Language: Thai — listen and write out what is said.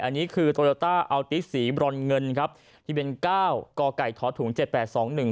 อันนี้คือโตโยต้าอัลติสีบรอนเงินครับที่เป็นเก้าก่อไก่ท้อถุงเจ็ดแปดสองหนึ่ง